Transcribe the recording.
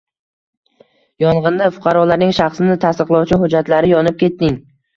Yong‘inda fuqarolarning shaxsini tasdiqlovchi hujjatlari yonib ketding